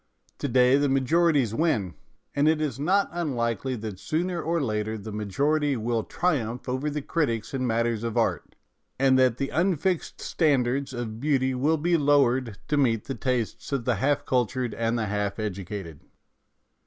To day the majorities win, and it is not unlikely that sooner or later the majority will triumph over the critics in matters of art, and that the unfixed standards of beauty will be lowered to meet the tastes of the half cultured and the half educated.